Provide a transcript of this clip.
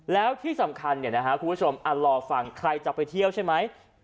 แล้วที่สำคัญคุณผู้ชมรอฟังใครจะไปเที่ยวใช่ไหม